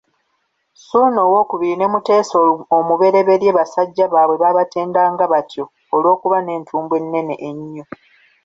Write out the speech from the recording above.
Ssuuna II ne Mutesa I basajja baabwe baabatendanga batyo olw'okuba n'entumbwe ennene ennyo.